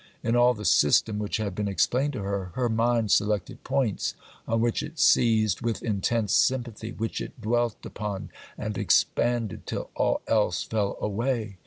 In all the system which had been explained to her, her mind selected points on which it seized with intense sympathy, which it dwelt upon and expanded till all else fell away.